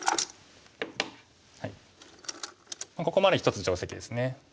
ここまで一つ定石ですね。